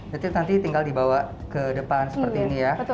jadi nanti tinggal dibawa ke depan seperti ini ya